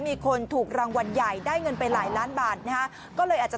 มีคนถูกรางวัลใหญ่ได้เงินไปหลายล้านบาทนะฮะก็เลยอาจจะ